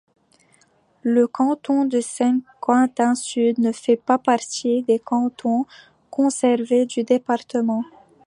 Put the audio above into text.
Le canton de Saint-Quentin-Sud ne fait pas partie des cantons conservés du département.